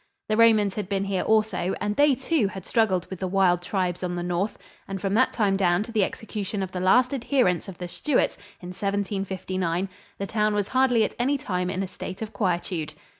The Romans had been here also, and they, too, had struggled with the wild tribes on the north, and from that time down to the execution of the last adherents of the Stuarts in 1759 the town was hardly at any time in a state of quietude.